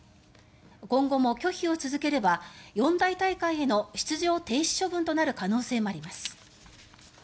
今後も拒否を続ければ四大大会への出場停止処分となる可能性もあります。